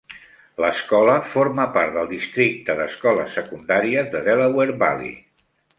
L'escola forma part del Districte d'Escoles Secundàries de Delaware Valley.